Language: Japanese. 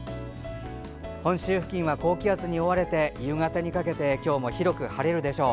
本州付近は高気圧に覆われて夕方にかけて今日も広く晴れるでしょう。